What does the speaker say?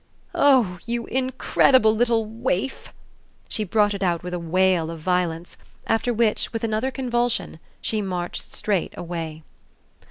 "Oh you incredible little waif!" She brought it out with a wail of violence; after which, with another convulsion, she marched straight away.